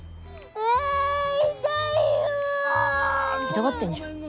痛がってんじゃん。